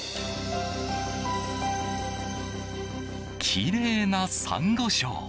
きれいなサンゴ礁。